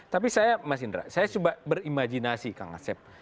tapi saya mas indra saya coba berimajinasi kang asep